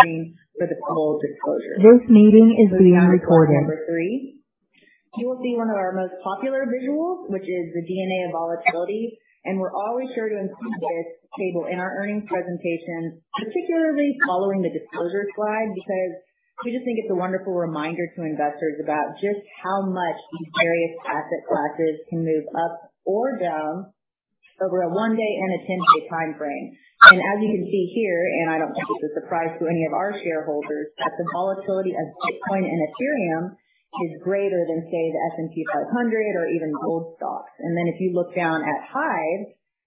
Forward-looking disclosure. This meeting is being recorded. Moving on to slide number three. You will see one of our most popular visuals, which is the DNA of volatility. We're always sure to include this table in our earnings presentations, particularly following the disclosure slide, because we just think it's a wonderful reminder to investors about just how much these various asset classes can move up or down over a one-day and a 10-day time frame. As you can see here, and I don't think it's a surprise to any of our shareholders, that the volatility of Bitcoin and Ethereum is greater than, say, the S&P 500 or even gold stocks. If you look down at HIVE,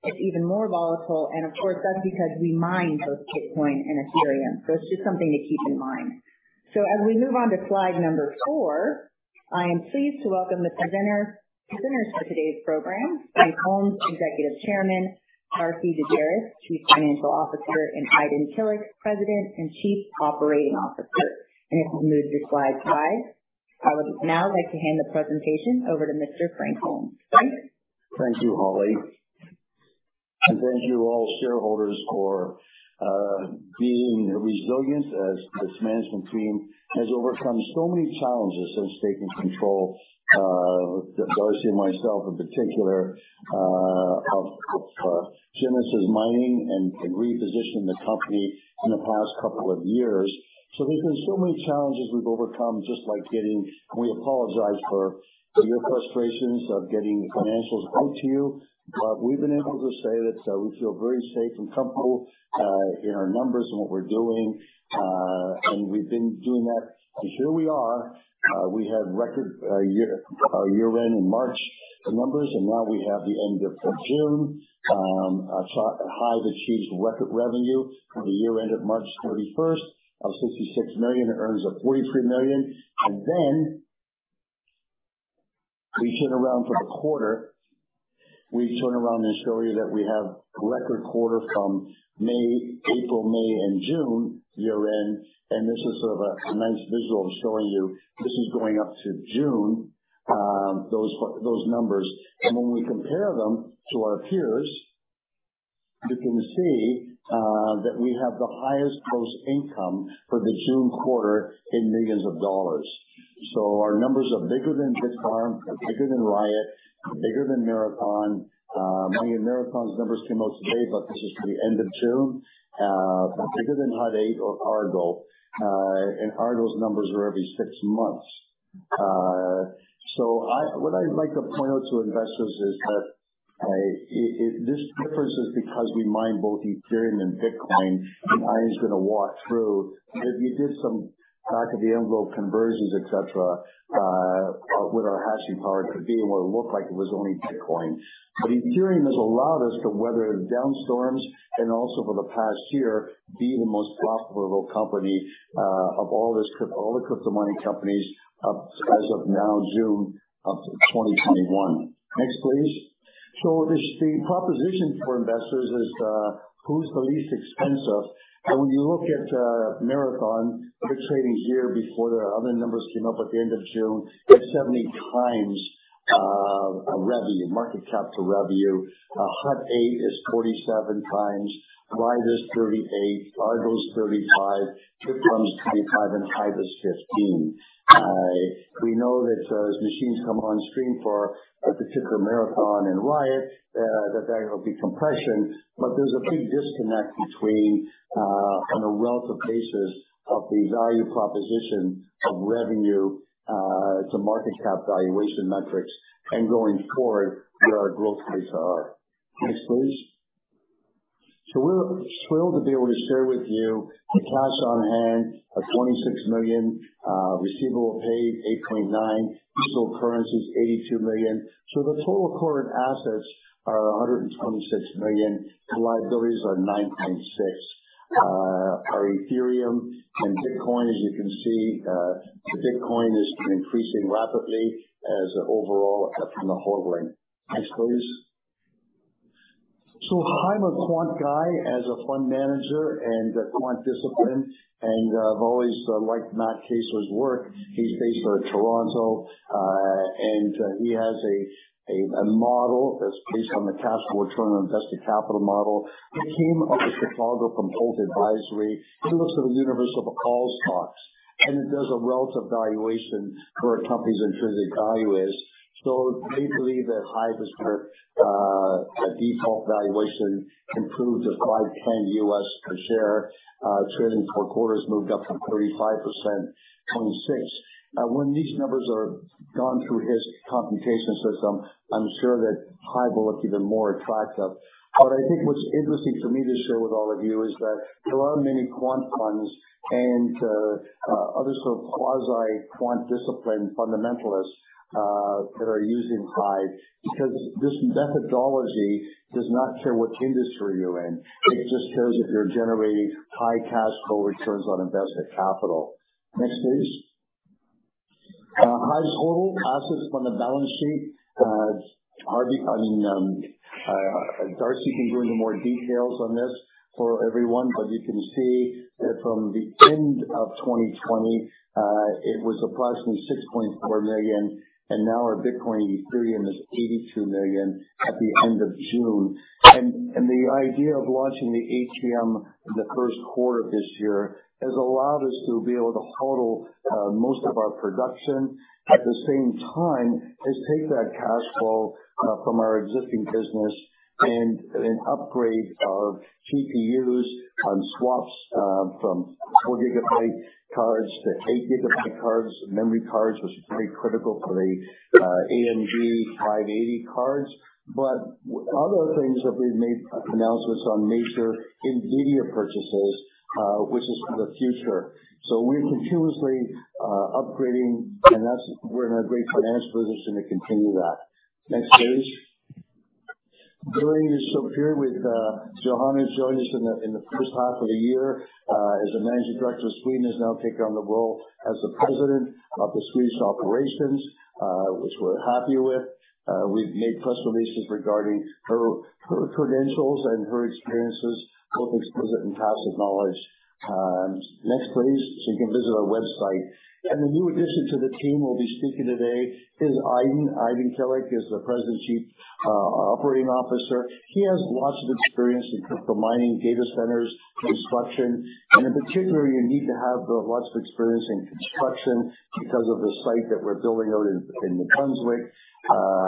it's even more volatile, and of course, that's because we mine both Bitcoin and Ethereum. It's just something to keep in mind. As we move on to slide four, I am pleased to welcome the presenters for today's program, Frank Holmes, Executive Chairman, Darcy Daubaras, Chief Financial Officer, and Aydin Kilic, President and Chief Operating Officer. If we move to slide 5, I would now like to hand the presentation over to Mr. Frank Holmes. Frank? Thank you, Holly. Thank you all shareholders for being resilient as this management team has overcome so many challenges since taking control, Darcy and myself in particular, of Genesis Mining and repositioned the company in the past couple of years. There's been so many challenges we've overcome. We apologize for your frustrations of getting the financials out to you, but we've been able to say that we feel very safe and comfortable in our numbers and what we're doing. We've been doing that. Here we are. We have record year-end in March numbers. Now we have the end of June. HIVE achieved record revenue for the year end of March 31st of 66 million. Earnings of 43 million. We turn around for the quarter. We turn around and show you that we have record quarter from April, May, and June year end, this is sort of a nice visual of showing you this is going up to June, those numbers. When we compare them to our peers, you can see that we have the highest post income for the June quarter in millions dollars. Our numbers are bigger than Bitfarms, bigger than Riot, bigger than Marathon. Marathon's numbers came out today, but this is for the end of June. Bigger than Hut 8 or Argo. Argo's numbers are every six months. What I'd like to point out to investors is that this difference is because we mine both Ethereum and Bitcoin, Aydin's going to walk through that if you did some back of the envelope conversions, et cetera, with our hashing power, it could be what it looked like it was only Bitcoin. Ethereum has allowed us to weather down storms and also for the past year, be the most profitable company of all the crypto mining companies as of now, June 2021. Next, please. The proposition for investors is who's the least expensive. When you look at Marathon, they're trading a year before their other numbers came up at the end of June at 70x revenue, market cap to revenue. Hut 8 is 47x. Riot is 38. Argo is 35. Bitfarms is 25, and HIVE is 15. We know that as machines come on stream for, in particular Marathon and Riot, there will be compression, but there's a big disconnect between on a relative basis of the value proposition of revenue to market cap valuation metrics and going forward where our growth rates are. Next, please. We're thrilled to be able to share with you the cash on hand of 26 million, receivable paid, CAD 8.9 million, digital currencies, 82 million. The total current assets are 126 million, and liabilities are CAD 9.6 million. Our Ethereum and Bitcoin, as you can see, the Bitcoin has been increasing rapidly as overall from the hodling. Next, please. I'm a quant guy as a fund manager and a quant discipline, and I've always liked Matt Kacur's work. He's based out of Toronto, and he has a model that's based on the cash flow return on invested capital model that came out of Chicago from HOLT Advisory. He looks at a universe of a call stocks and does a relative valuation for a company's intrinsic value is. They believe that HIVE is worth a default valuation improved of $5.10 US per share. Trailing four quarters moved up from 35%, 26%. When these numbers are gone through his computation system, I'm sure that HIVE will look even more attractive. I think what's interesting for me to share with all of you is that there are many quant funds and other sort of quasi quant discipline fundamentalists that are using HIVE because this methodology does not care what industry you're in. It just cares if you're generating high cash flow returns on invested capital. Next, please. HIVE's total assets on the balance sheet, Darcy can go into more details on this for everyone, but you can see that from end of 2020, it was approximately 6.4 million, and now our Bitcoin and Ethereum is 82 million at the end of June. The idea of launching the ATM in the 1st quarter of this year has allowed us to be able to HODL most of our production, at the same time, is take that cash flow from our existing business and upgrade our GPUs on swaps from 4 GB cards to 8 GB cards. Memory cards was very critical for the AMD 580 cards. Other things that we've made announcements on, major NVIDIA purchases, which is for the future. We're continuously upgrading, and we're in a great financial position to continue that. Next, please. Joining us up here with Johanna, joined us in the first half of the year as a managing director of Sweden, has now taken on the role as the president of the Swedish operations, which we're happy with. We've made press releases regarding her credentials and her experiences, both explicit and tacit knowledge. Next, please. You can visit our website. The new addition to the team we'll be speaking today is Aydin Kilic. Aydin Kilic is the President Chief Operating Officer. He has lots of experience in crypto mining, data centers, construction, and in particular, you need to have lots of experience in construction because of the site that we're building out in New Brunswick.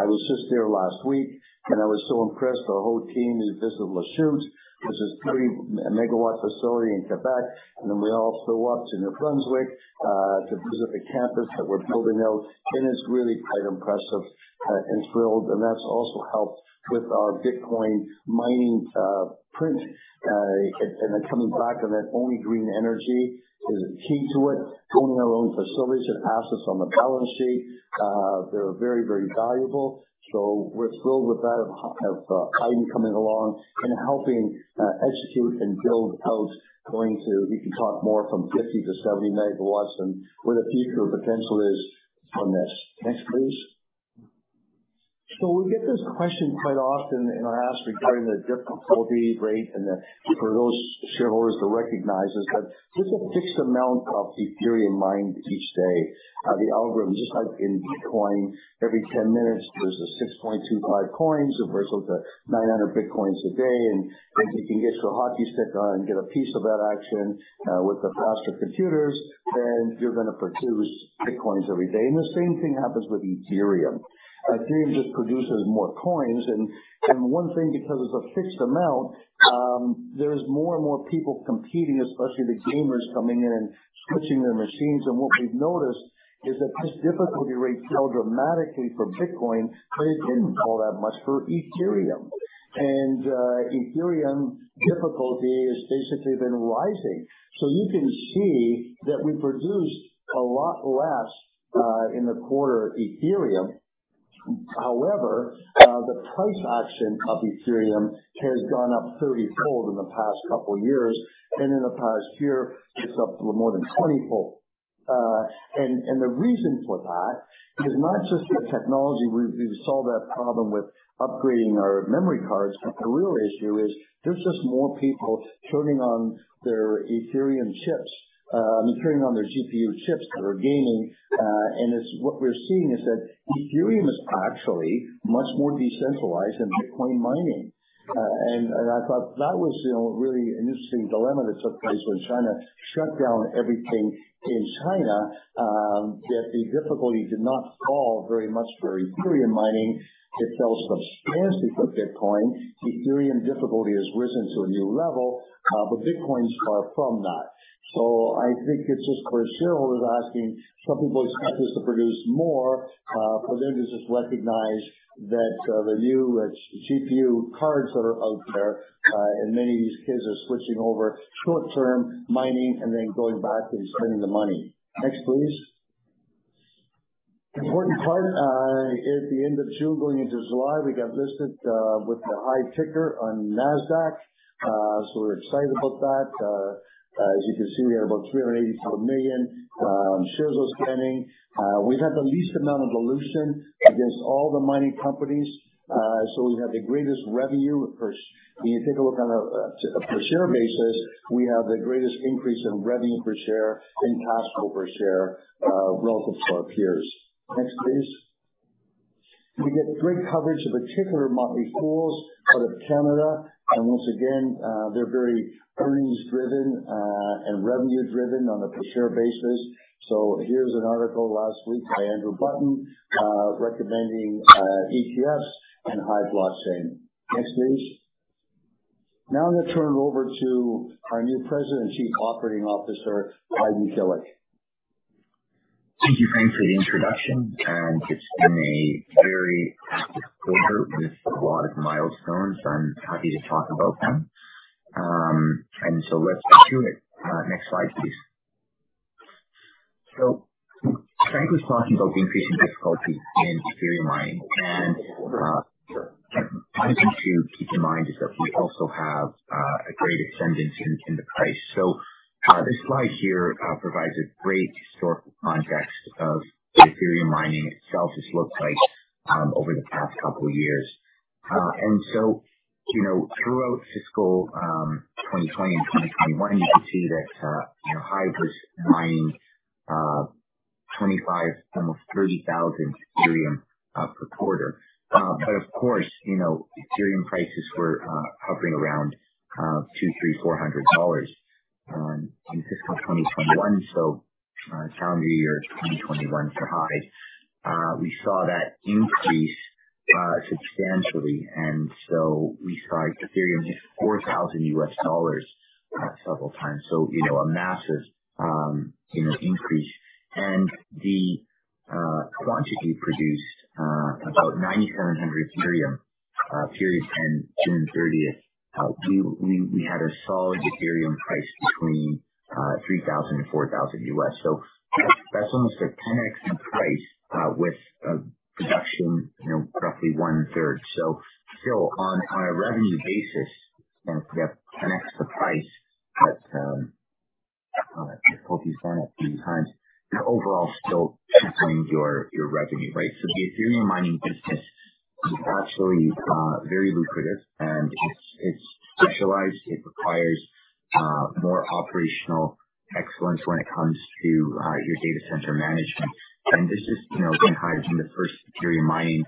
I was just there last week, and I was so impressed. The whole team visited Lachute, which is a 3-MW facility in Quebec. We also walked to New Brunswick to visit the campus that we're building out. It's really quite impressive and thrilled, that's also helped with our Bitcoin mining print. Coming back that only green energy is key to it. Owning our own facilities and assets on the balance sheet, they're very valuable. We're thrilled with that of Aydin coming along and helping execute and build out, we can talk more from 50 MW-70 MW and where the future potential is on this. Next, please. We get this question quite often. I ask regarding the difficulty rate and for those shareholders to recognize is that there's a fixed amount of Ethereum mined each day. The algorithm, just like in Bitcoin, every 10 minutes, there's a 6.25 coins, equivalent to 900 Bitcoins a day. If you can get your hockey stick on and get a piece of that action with the faster computers, then you're going to produce Bitcoins every day. The same thing happens with Ethereum. Ethereum just produces more coins. One thing, because it's a fixed amount, there's more and more people competing, especially the gamers coming in and switching their machines. What we've noticed is that this difficulty rate fell dramatically for Bitcoin, but it didn't fall that much for Ethereum. Ethereum difficulty has basically been rising. You can see that we produced a lot less in the quarter Ethereum. However, the price action of Ethereum has gone up 30-fold in the past two years, and in the past year, it's up to more than 20-fold. The reason for that is not just the technology. We solved that problem with upgrading our memory cards, but the real issue is there's just more people turning on their Ethereum chips and turning on their GPU chips that are gaming. What we're seeing is that Ethereum is actually much more decentralized than Bitcoin mining. I thought that was a really interesting dilemma that took place when China shut down everything in China, that the difficulty did not fall very much for Ethereum mining. It fell substantially for Bitcoin. Ethereum difficulty has risen to a new level, but Bitcoins are from that. I think it's just for shareholders asking, some people expect us to produce more. For them to just recognize that the new GPU cards that are out there, and many of these kids are switching over short-term mining and then going back and spending the money. Next, please. Important part, at the end of June going into July, we got listed with the HIVE ticker on Nasdaq. We're excited about that. As you can see, we have about 382 million shares outstanding. We have the least amount of dilution against all the mining companies. We have the greatest revenue. If you take a look on a per share basis, we have the greatest increase in revenue per share and cash flow per share relative to our peers. Next, please. We get great coverage, in particular The Motley Fool out of Canada. Once again, they're very earnings driven and revenue driven on a per share basis. Here's an article last week by Andrew Button recommending Hut 8 and HIVE Blockchain. Next, please. I'm going to turn it over to our new President and Chief Operating Officer, Aydin Kilic. Thank you, Frank, for the introduction. It's been a very active quarter with a lot of milestones. I'm happy to talk about them. Let's get to it. Next slide, please. Frank was talking about the increase in difficulty in Ethereum mining. One thing to keep in mind is that we also have a great ascendance in the price. This slide here provides a great historical context of what Ethereum mining itself has looked like over the past couple of years. Throughout fiscal 2020 and 2021, you can see that HIVE was mining 25,000, almost 30,000 Ethereum per quarter. Of course, Ethereum prices were hovering around $200, $300, $400 in fiscal 2021. Calendar year 2021 for HIVE, we saw that increase substantially, and so we saw Ethereum hit $4,000 US dollars several times. A massive increase and the quantity produced about 9,700 Ethereum, period end June 30th. We had a solid Ethereum price between $3,000 and $4,000 US, that's almost a 10x in price with production roughly 1/3. On a revenue basis, and if you have 10x the price, that's what we've done a few times. Your overall still doubling your revenue, right? The Ethereum mining business is actually very lucrative and it's specialized. It requires more operational excellence when it comes to your data center management. This has been HIVE being the first Ethereum mining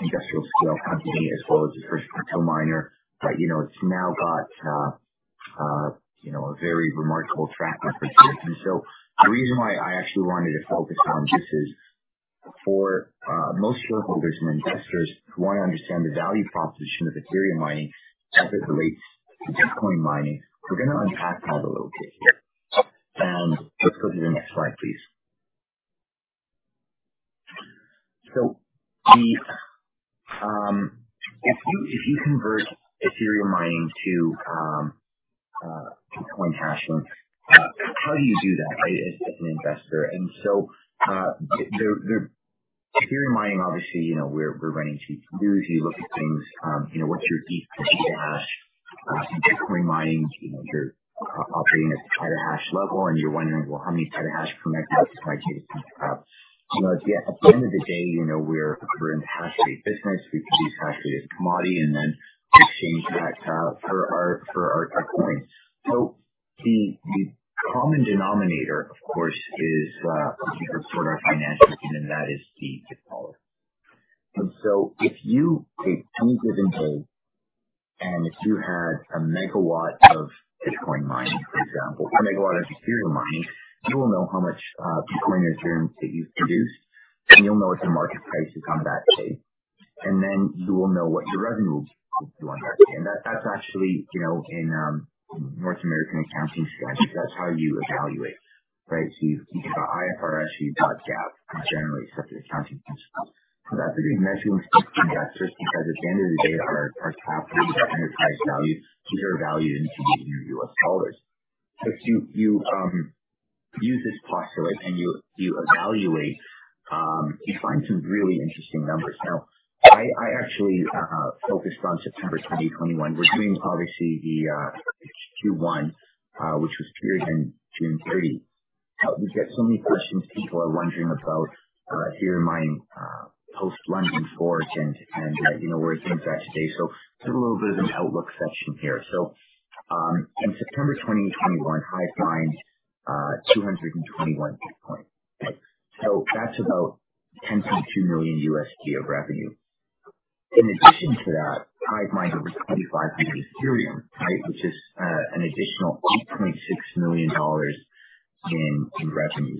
industrial scale company as well as the first retail miner. It's now got a very remarkable track record here. The reason why I actually wanted to focus on this is for most shareholders and investors who want to understand the value proposition of Ethereum mining as it relates to Bitcoin mining, we're going to unpack that a little bit here. Let's go to the next slide, please. If you convert Ethereum mining to Bitcoin hashing, how do you do that, right, as an investor? Ethereum mining, obviously, we're running rigs. Usually you look at things, what's your ETH per GH. Bitcoin mining, you're operating at the terahash level and you're wondering, "Well, how many terahash per megawatt is my data center?" At the end of the day, we're in the hash rate business. We produce hash rate as commodity and then exchange that for our coins. The common denominator, of course, is when we report our financials, and that is the US dollar. If you take any given day, and if you had a megawatt of Bitcoin mining, for example, a megawatt of Ethereum mining, you will know how much Bitcoin or Ethereum that you've produced, and you'll know what the market price is on that day, and then you will know what your revenue will be on that day. That's actually in North American accounting standards, that's how you evaluate, right? You've got IFRS, you've got GAAP, generally accepted accounting principles. That's a good measuring stick for investors because at the end of the day, our capital, our enterprise value, these are valued in Canadian or US dollars. If you use this postulate and you evaluate, you find some really interesting numbers. I actually focused on September 2021. We're doing, obviously, the Q1 which was period end June 30th. We get so many questions people are wondering about Ethereum mining post London fork and where it stands at today. There's a little bit of an outlook section here. In September 2021, HIVE mined 221 Bitcoin. That's about $10.2 million USD of revenue. In addition to that, HIVE mined over 2,500 Ethereum, which is an additional $8.6 million in revenue.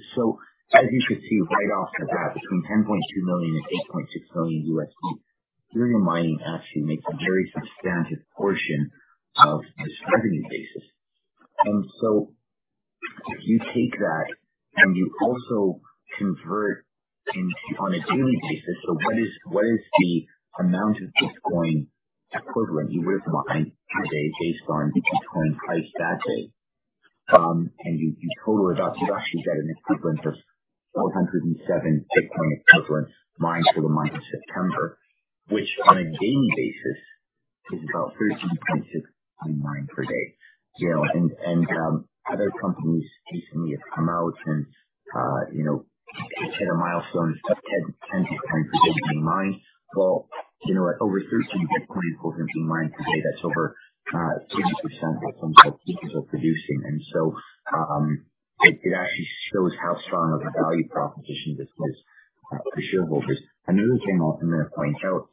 As you could see right off the bat, between $10.2 million and $8.6 million USD, Ethereum mining actually makes a very substantive portion of this revenue basis. If you take that and you also convert on a daily basis, so what is the amount of Bitcoin equivalent you would have mined today based on the Bitcoin price that day and you total it up, you'd actually get an equivalent of 407 Bitcoin equivalent mined for the month of September, which on a daily basis is about 13.6 Bitcoin mined per day. Other companies recently have come out and hit a milestone of 10 Bitcoin per day being mined. Well, at over 13 Bitcoin equivalent being mined per day, that's over 30% of what some of their peers are producing. It actually shows how strong of a value proposition this is for shareholders. Another thing I'm going to point out,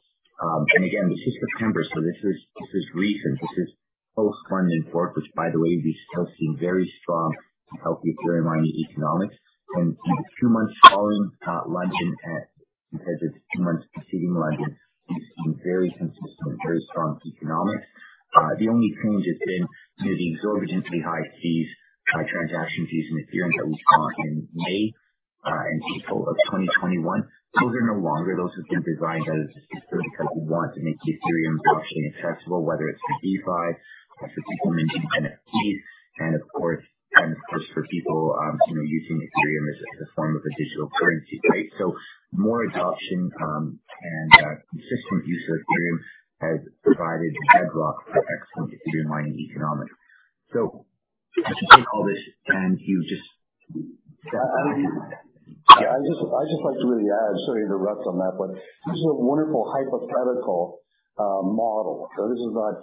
again, this is September, so this is recent, this is post London hard fork, which by the way, we still see very strong and healthy Ethereum mining economics. The two months following London, as it's two months preceding London, we've seen very consistent, very strong economics. The only change has been the exorbitantly high fees, high transaction fees in Ethereum that we saw in May and April of 2021. Those are no longer. Those have been revised as is because we want to make Ethereum adoption accessible, whether it's for DeFi, for people minting NFTs and of course for people using Ethereum as a form of a digital currency, right? More adoption and consistent use of Ethereum has provided a bedrock for excellent Ethereum mining economics. If you take all this and you just step out. I'd just like to really add, sorry to interrupt on that, but this is a wonderful hypothetical model. This is not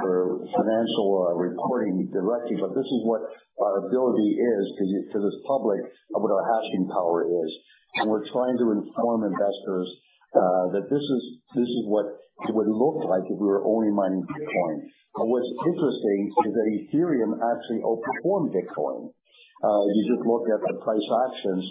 for financial reporting directly, but this is what our ability is to the public of what our hashing power is. We're trying to inform investors that this is what it would look like if we were only mining Bitcoin. What's interesting is that Ethereum actually outperformed Bitcoin. If you just look at the price action.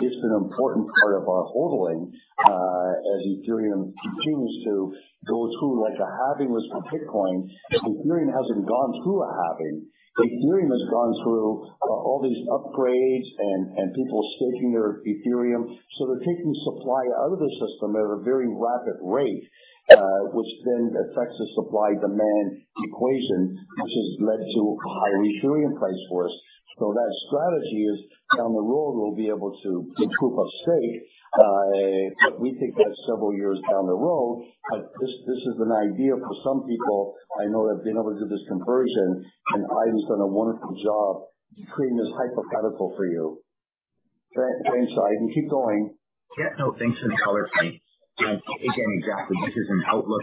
It's an important part of our holding as Ethereum continues to go through like a halving with Bitcoin. Ethereum hasn't gone through a halving. Ethereum has gone through all these upgrades and people staking their Ethereum. They're taking supply out of the system at a very rapid rate, which then affects the supply-demand equation, which has led to a high Ethereum price for us. That strategy is, down the road, we'll be able to get proof of stake, but we think that's several years down the road. This is an idea for some people I know that have been able to do this conversion, and Aydin's done a wonderful job creating this hypothetical for you. Great slide. Keep going. Yeah, no, thanks for the color, Frank. Exactly, this is an outlook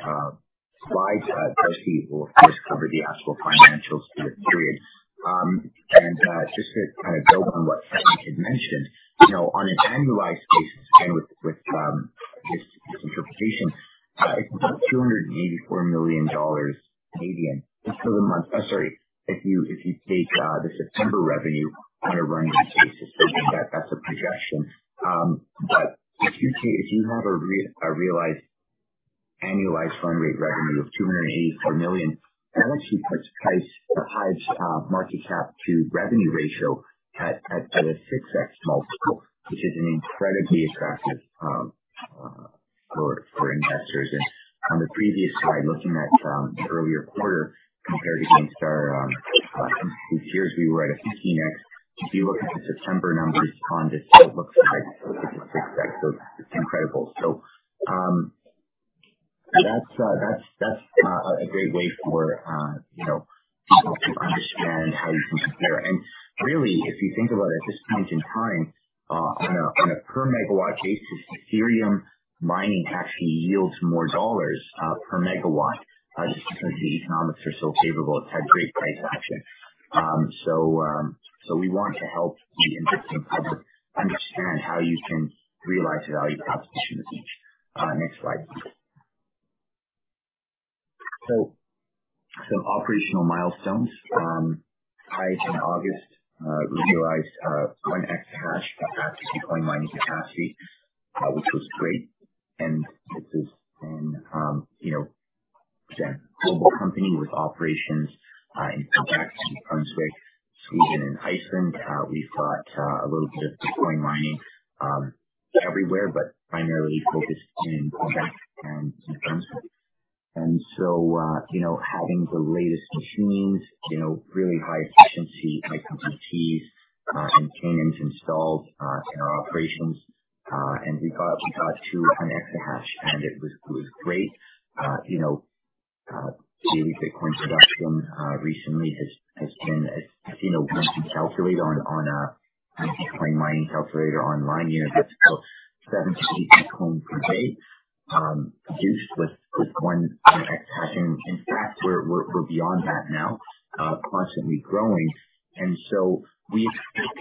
slide. Darcy will, of course, cover the actual financials for the period. Just to kind of build on what Frank had mentioned, on an annualized basis and with this interpretation, it's about 284 million Canadian dollars just for the month. Sorry, if you take the September revenue on a run rate basis, assuming that that's a projection. If you have a realized annualized run rate revenue of 284 million, that actually puts HIVE's market cap to revenue ratio at a 6x multiple, which is incredibly attractive for investors. On the previous slide, looking at the earlier quarter compared against our complete years, we were at a 15x. If you look at the September numbers on this slide, it looks like it's a 6x, it's incredible. That's a great way for people to understand how you can compare. Really, if you think about it, at this point in time, on a per megawatt basis, Ethereum mining actually yields more dollars per megawatt just because the economics are so favorable. It's had great price action. We want to help the interested public understand how you can realize the value proposition of each. Next slide please. Some operational milestones. HIVE, in August, realized 1 exahash of capacity, Bitcoin mining capacity, which was great, and this is a global company with operations in Quebec, New Brunswick, Sweden, and Iceland. We've got a little bit of Bitcoin mining everywhere, but primarily focused in Quebec and New Brunswick. Having the latest machines, really high efficiency, high throughput THs and chains installed in our operations. We got to 1 exahash, and it was great. Daily Bitcoin production recently has been, if you calculate on a Bitcoin mining calculator online, that's about 70 Bitcoin per day produced with 1 exahash. In fact, we're beyond that now, constantly growing. We expect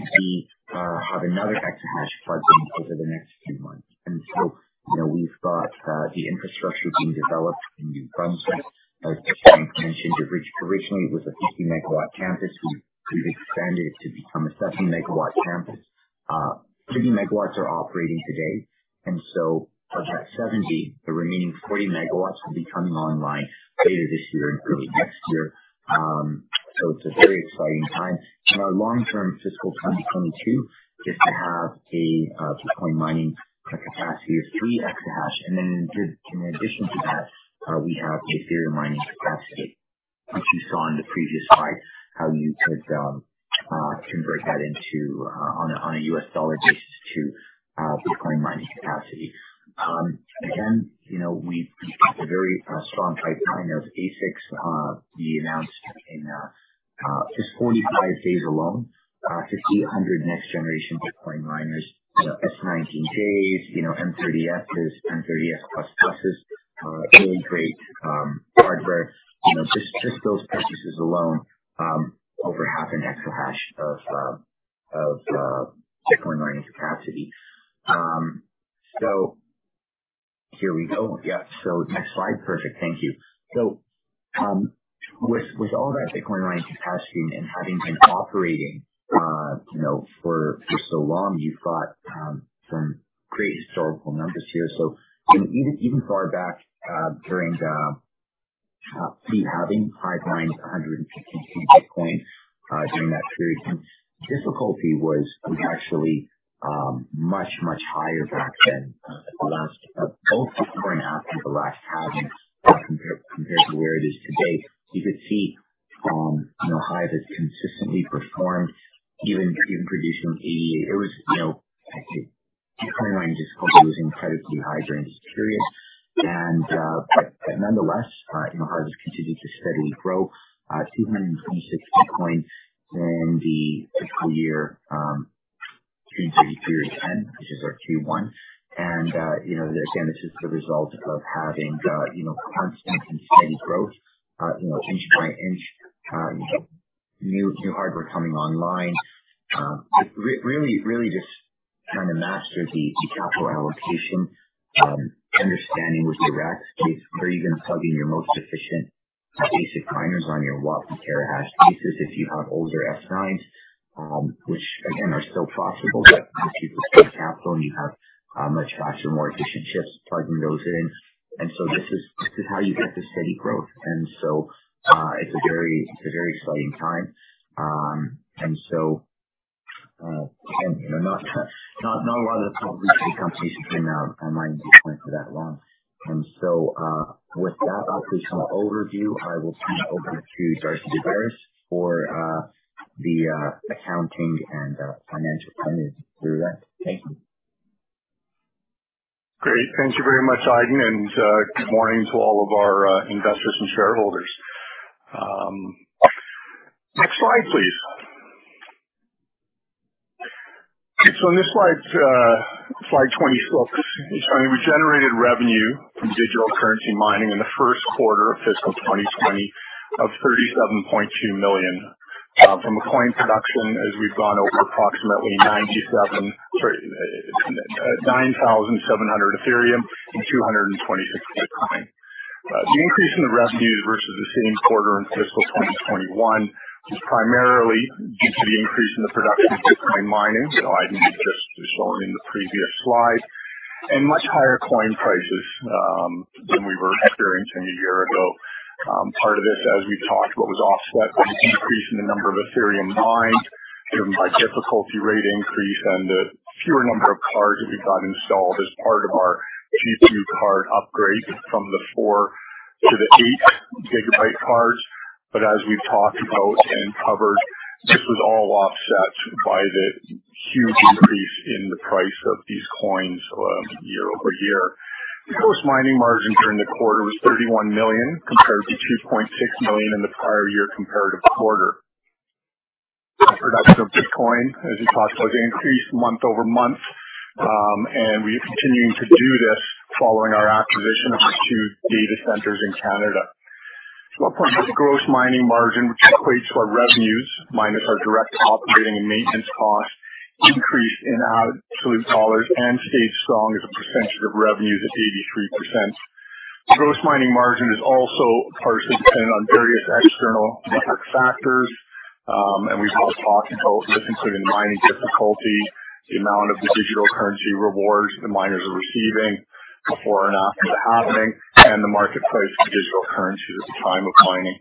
to have another exahash plugged in over the next few months. We've got the infrastructure being developed in New Brunswick. As Frank mentioned, originally, it was a 50-MW campus. We've expanded it to become a 70-MW campus. 30 MW are operating today, and so of that 70, the remaining 40 MW will be coming online later this year and early next year. It's a very exciting time. In our long term fiscal 2022, we expect to have a Bitcoin mining capacity of 3 exahash. In addition to that, we have Ethereum mining capacity, which you saw on the previous slide, how you could convert that on a US dollar basis to Bitcoin mining capacity. We've got a very strong pipeline of ASICs. We announced in just 45 days alone, 1,500 next generation Bitcoin miners, S19js, M30Ss, M30S++s, all great hardware. Just those purchases alone, over half an exahash of Bitcoin mining capacity. Here we go. Next slide. Perfect. Thank you. With all that Bitcoin mining capacity and having been operating for so long, you've got some great historical numbers here. Even far back during the pre-halving, HIVE mined 152 Bitcoin during that period, and difficulty was actually much, much higher back then, both before and after the last halving compared to where it is today. You could see HIVE has consistently performed even through the additional EH. The coin mining difficulty was incredibly high during this period. Nonetheless, our hardware has continued to steadily grow, 226 Bitcoin in the fiscal year, June 30th, 2010, which is our Q1. Again, this is the result of having constant and steady growth, inch by inch, new hardware coming online. Really just trying to master the capital allocation, understanding with your racks where you're going to plug in your most efficient ASIC miners on your watt per terahash basis if you have older S9s, which again, are still profitable, but once you've deployed capital and you have much faster, more efficient chips, plugging those in. This is how you get the steady growth. It's a very exciting time. Again, not a lot of public companies who can mine Bitcoin for that long. With that was the overview. I will now open it to Darcy Daubaras for the accounting and financial comments. Over to you, Darcy. Thank you. Great. Thank you very much, Aydin. Good morning to all of our investors and shareholders. Next slide, please. In this slide 24, we generated revenue from digital currency mining in the first quarter of fiscal 2020 of 37.2 million from a coin production as we've gone over approximately 9,700 Ethereum and 226 Bitcoin. The increase in the revenues versus the same quarter in fiscal 2021 is primarily due to the increase in the production of Bitcoin mining, as Aidan had just shown in the previous slide, much higher coin prices than we were experiencing a year ago. Part of this, as we've talked, was offset by the decrease in the number of Ethereum mined given by difficulty rate increase and the fewer number of cards that we got installed as part of our GPU card upgrade from the 4 to the 8 GB cards. As we've talked about and covered, this was all offset by the huge increase in the price of these coins YoY. The gross mining margin during the quarter was 31 million, compared to 2.6 million in the prior year comparative quarter. Production of Bitcoin, as we've talked about, increased month-over-month, and we are continuing to do this following our acquisition of our two data centers in Canada. Our gross mining margin, which equates to our revenues minus our direct operating and maintenance costs, increased in absolute dollars and stayed strong as a percentage of revenues at 83%. Gross mining margin is also partially dependent on various external market factors. We've also talked about this including mining difficulty, the amount of the digital currency rewards the miners are receiving before and after the halving, and the marketplace for digital currencies at the time of mining.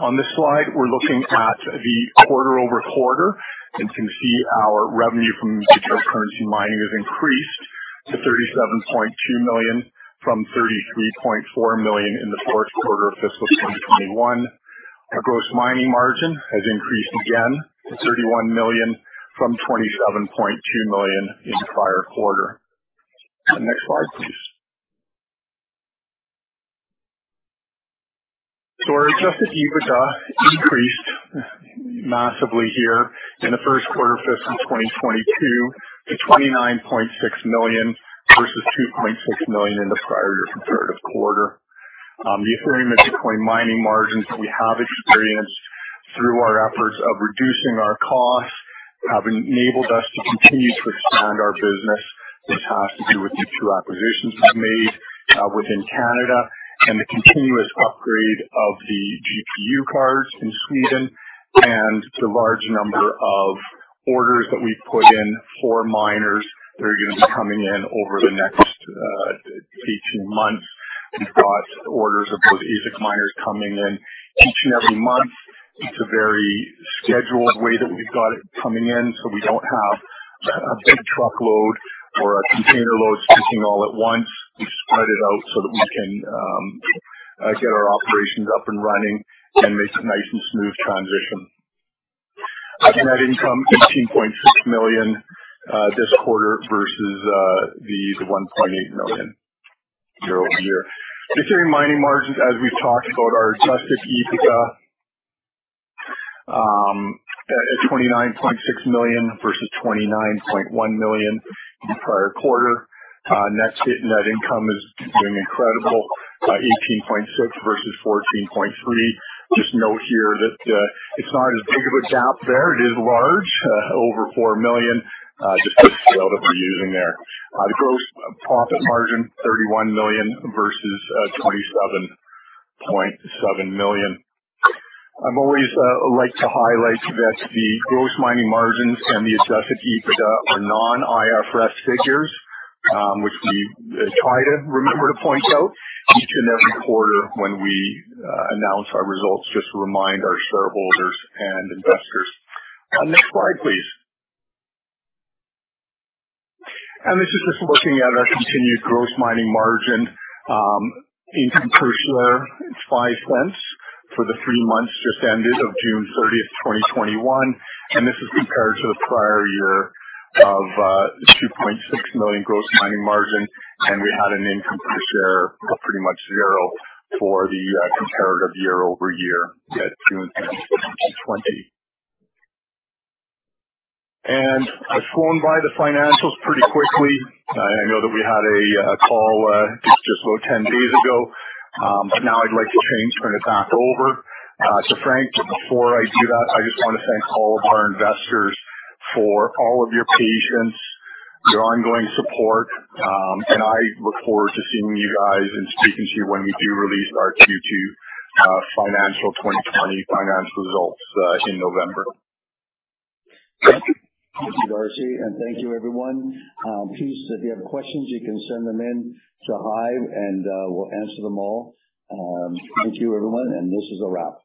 On this slide, we're looking at the QoQ and can see our revenue from digital currency mining has increased to 37.2 million from 33.4 million in the fourth quarter of fiscal 2021. Our gross mining margin has increased again to 31 million from 27.2 million in the prior quarter. Next slide, please. Our Adjusted EBITDA increased massively here in the first quarter of fiscal 2022 to 29.6 million, versus 2.6 million in the prior year comparative quarter. The Ethereum and Bitcoin mining margins that we have experienced through our efforts of reducing our costs have enabled us to continue to expand our business. This has to do with the two acquisitions we've made within Canada and the continuous upgrade of the GPU cards in Sweden and the large number of orders that we've put in for miners that are going to be coming in over the next 18 months. We've got orders of those ASIC miners coming in each and every month. It's a very scheduled way that we've got it coming in, so we don't have a big truckload or a container load sticking all at once. We spread it out so that we can get our operations up and running and make a nice and smooth transition. Our net income, 18.6 million this quarter versus the 1.8 million year-over-year. Ethereum mining margins, as we've talked about, our Adjusted EBITDA at 29.6 million versus 29.1 million in the prior quarter. Net income is doing incredible, 18.6 versus 14.3. Just note here that it's not as big of a gap there. It is large, over 4 million, just the scale that we're using there. The gross profit margin, 31 million versus 27.7 million. I always like to highlight that the gross mining margins and the Adjusted EBITDA are non-IFRS figures, which we try to remember to point out each and every quarter when we announce our results, just to remind our shareholders and investors. Next slide, please. This is just looking at our continued gross mining margin. Income per share, CAD 0.05 for the three months just ended of June 30th, 2021. This is compared to the prior year of 2.6 million gross mining margin, and we had an income per share of pretty much 0 for the comparative YoY at June 30th, 2020. I've flown by the financials pretty quickly. I know that we had a call just about 10 days ago. Now I'd like to turn it back over to Frank. Before I do that, I just want to thank all of our investors for all of your patience, your ongoing support, and I look forward to seeing you guys and speaking to you when we do release our Q2 financial 2020 financial results in November. Thank you, Darcy, thank you, everyone. Please, if you have questions, you can send them in to HIVE, and we will answer them all. Thank you, everyone, this is a wrap.